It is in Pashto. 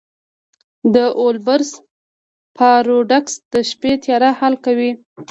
د اولبرس پاراډوکس د شپې تیاره حل کوي.